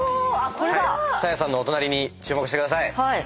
サーヤさんのお隣に注目してください。